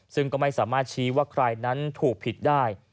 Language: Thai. ซึ่งก็ไม่สามารถชี้ว่าใครนั้นถูกผิดได้